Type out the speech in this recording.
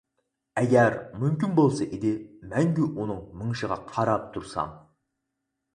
ئەگەر مۇمكىن بولسا ئىدى، مەڭگۈ ئۇنىڭ مېڭىشىغا قاراپ تۇرسام.